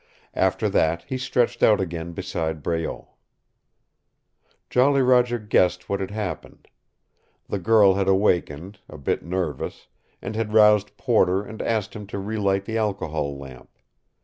After that he stretched out again beside Breault. Jolly Roger guessed what had happened. The girl had awakened, a bit nervous, and had roused Porter and asked him to relight the alcohol lamp.